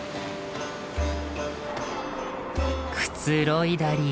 くつろいだり。